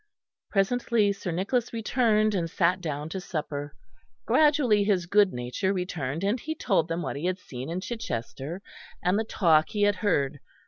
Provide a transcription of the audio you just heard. Presently Sir Nicholas returned, and sat down to supper. Gradually his good nature returned, and he told them what he had seen in Chichester, and the talk he had heard.